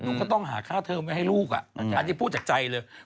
ก็ต้องหาค่าเทอมไว้ให้ลูกอันนี้พูดจากใจเลย